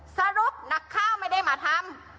สรุปนักข้าวไม่ได้มาทำ